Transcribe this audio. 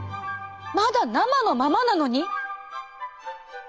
まだ生のままなのに。